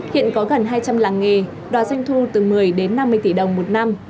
hiện có gần hai trăm linh làng nghề đòi doanh thu từ một mươi đến năm mươi tỷ đồng một năm